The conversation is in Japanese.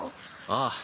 ああ。